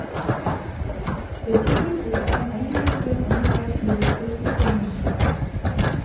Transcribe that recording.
Der Titel wird auch an Angehörige anderer Diözesen verliehen.